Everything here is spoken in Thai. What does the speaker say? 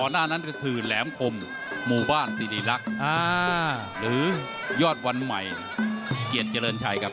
หน้านั้นก็คือแหลมคมหมู่บ้านสิริรักษ์หรือยอดวันใหม่เกียรติเจริญชัยครับ